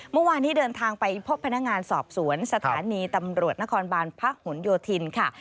เมื่อวานนี้เดินทางไปพบพนักงานสอบสวนสถานีตำรวจนครบานพะหนโยธินค่ะ